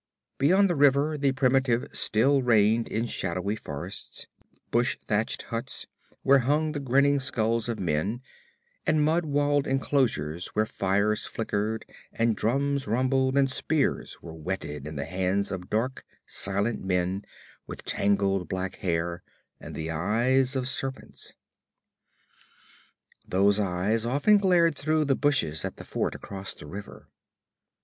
Beyond the river the primitive still reigned in shadowy forests, brush thatched huts where hung the grinning skulls of men, and mud walled enclosures where fires flickered and drums rumbled, and spears were whetted in the hands of dark, silent men with tangled black hair and the eyes of serpents. Those eyes often glared through the bushes at the fort across the river.